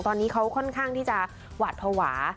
ตอนนี้เขาค่อนข้างที่จะหวาดภาวะ